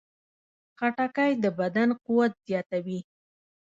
خټکی د بدن قوت زیاتوي.